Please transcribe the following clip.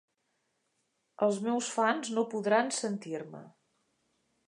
Els meus fans no podran sentir-me.